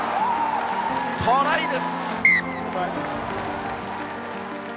トライです！